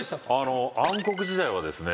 暗黒時代はですね。